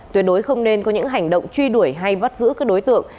tuyệt đối không nên có những hành động truy đuổi hay bắt giữ các đối tượng